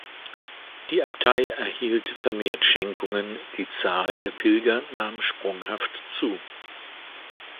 Die Abtei erhielt vermehrt Schenkungen, die Zahl der Pilger nahm sprunghaft zu.